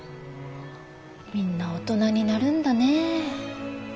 みんな大人になるんだね。